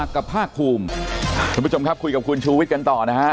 คุณผู้สมครับคุยกับคุณชวิตกันต่อนะฮะ